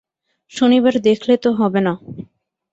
শনিবার দেখলে তো হবে না।